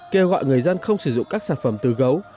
kêu gọi người dân không sử dụng các sản phẩm từ gấu